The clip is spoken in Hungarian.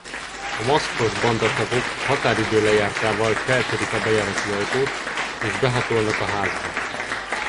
A maszkos bandatagok a határidő lejártával feltörik a bejárati ajtót és behatolnak a házba.